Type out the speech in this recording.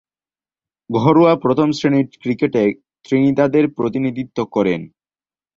ঘরোয়া প্রথম-শ্রেণীর ক্রিকেটে ত্রিনিদাদের প্রতিনিধিত্ব করেন।